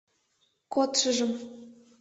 Кодшыжым.